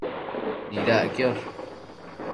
Nidac quiosh